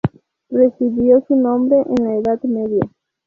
Recibió su nombre en la Edad Media.